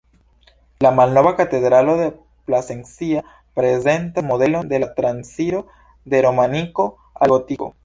La Malnova Katedralo de Plasencia prezentas modelon de la transiro de romaniko al gotiko.